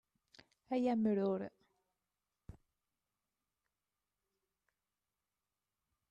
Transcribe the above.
Ay amrur!